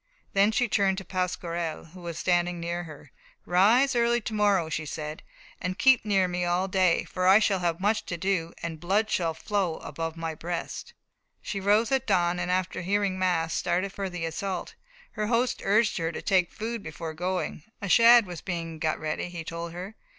Then she turned to Pasquerel, who was standing near. "Rise early to morrow," she said, "and keep near me all day, for I shall have much to do, and blood shall flow above my breast." She rose at dawn, and after hearing mass, started for the assault. Her host urged her to take food before going; a shad was being got ready, he told her.